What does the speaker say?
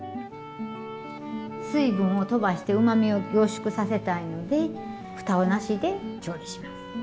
水分をとばしてうまみを凝縮させたいのでふたはなしで調理します。